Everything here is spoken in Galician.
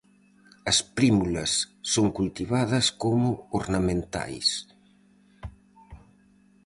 As prímulas son cultivadas como ornamentais.